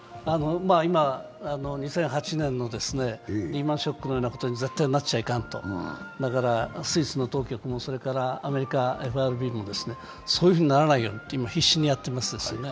今、２００８年のリーマン・ショックのようなことに絶対なっちゃいかんとだからスイス当局も、アメリカ・ＦＲＢも、そういうふうにならないように今、必死にやってますよね。